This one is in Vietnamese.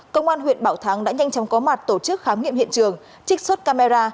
công an huyện bảo thắng đã nhanh chóng có mặt tổ chức khám nghiệm hiện trường trích xuất camera